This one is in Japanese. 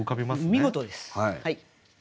見事です。